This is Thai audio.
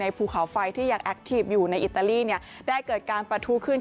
ในภูเขาไฟที่อย่างแอคทีปอยู่ในอิตาลีเนี่ยได้เกิดการประทุ